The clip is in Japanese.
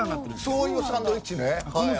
そういうサンドイッチね。